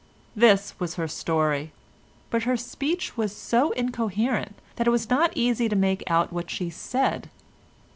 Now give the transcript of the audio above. This was her story, but her speech was so incoherent that it was not easy to make out what she said.